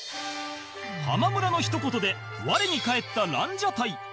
浜村のひと言で我に返ったランジャタイ